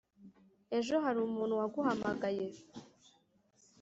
ejo hari umuntu waguhamagaye